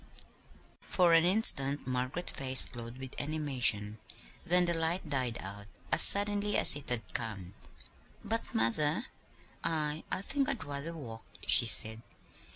For an instant Margaret's face glowed with animation; then the light died out as suddenly as it had come. "But, mother, I I think I'd rather walk," she said.